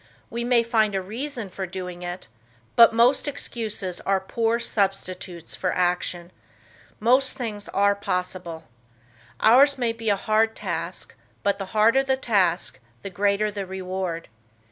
We may find a reason for doing it, but most excuses are poor substitutes for action. Most things are possible. Ours may be a hard task, but the harder the task, the greater the reward.